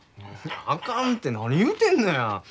あかんて何言うてんのや。